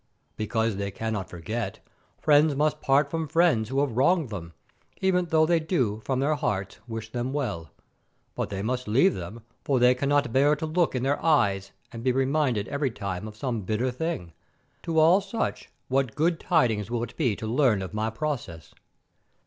Because they cannot forget, friends must part from friends who have wronged them, even though they do from their hearts wish them well. But they must leave them, for they cannot bear to look in their eyes and be reminded every time of some bitter thing. To all such what good tidings will it be to learn of my process!